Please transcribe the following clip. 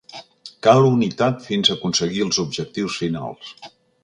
Cal unitat fins aconseguir els objectius finals.